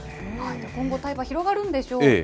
今後、タイパ、広がるんでしょうか。